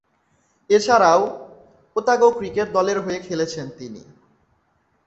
এছাড়াও, Otago cricket দলের হয়ে খেলছেন তিনি।